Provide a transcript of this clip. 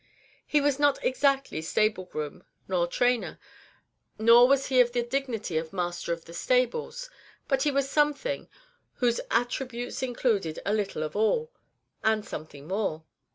He was not exactly stable groom, nor trainer, nor was he of the dignity of master of the stables; but he was something whose attributes included a little of all, and something more.